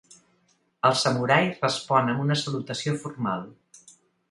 El samurai respon amb una salutació formal.